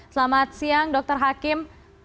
selamat siang dr hakim